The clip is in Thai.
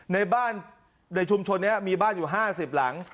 ในบ้านในชุมชนนี้มีบ้านอยู่๕๐หลัง